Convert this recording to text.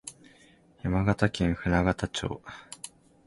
山形県舟形町